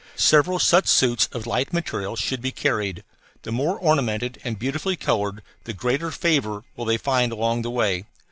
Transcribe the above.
Several such suits of light material should be carried the more ornamented and beautifully colored the greater favor will they find along the way.